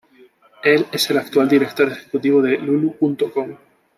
Él es el actual director ejecutivo de Lulu.com.